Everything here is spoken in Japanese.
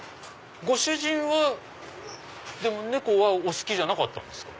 ご主人は猫はお好きじゃなかったんですか？